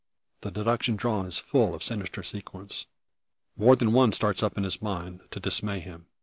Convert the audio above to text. The deduction drawn is full of sinister sequence. More than one starts up in his mind to dismay him.